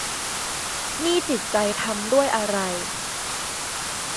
นี่จิตใจทำด้วยอะไร